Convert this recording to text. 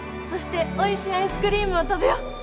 そしておいしいアイスクリームを食べよう。